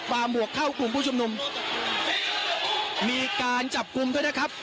หมวกเข้ากลุ่มผู้ชุมนุมมีการจับกลุ่มด้วยนะครับ